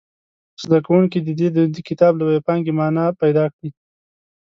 زده کوونکي دې د دې کتاب له وییپانګې معنا پیداکړي.